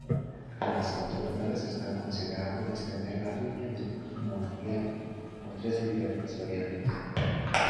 Las autoridades están considerando extender la línea del monorriel, con tres diferentes variantes.